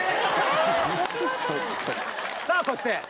さあそして。